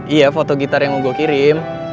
iya foto gitar yang mau gue kirim